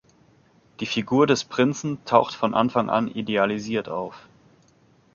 Die Figur des Prinzen taucht von Anfang an idealisiert auf.